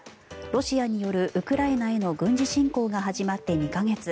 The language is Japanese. ロシアによるウクライナへの軍事侵攻が始まって２か月。